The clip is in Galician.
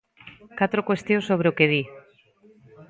Catro cuestións sobre o que di.